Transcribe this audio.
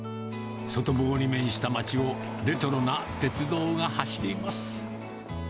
外房に面した町を、レトロな鉄道が走ります。